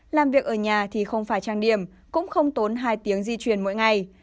làm việc ở nhà thì không phải trang điểm cũng không tốn hai tiếng di chuyển mỗi ngày